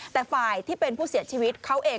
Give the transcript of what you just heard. แต่ฝ่ายที่เป็นผู้เสียชีวิตเขาเอง